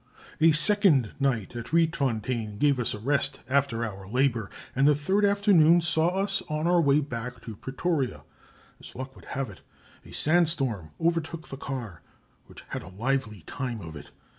"A second night at Rietfontein gave us a rest after our labour, and the third afternoon saw us on our way back to Pretoria. As luck would have it, a sandstorm overtook the car, which had a lively time of it.